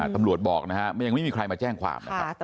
ตำรวจบอกนะฮะยังไม่มีใครมาแจ้งความนะครับ